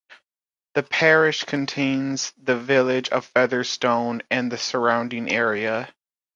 The parish contains the village of Featherstone and the surrounding area.